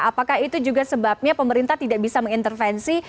apakah itu juga sebabnya pemerintah tidak bisa mengintervensi